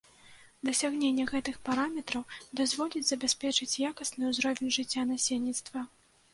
Дасягненне гэтых параметраў дазволіць забяспечыць якасны ўзровень жыцця насельніцтва.